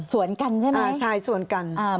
สวนกันใช่ไหม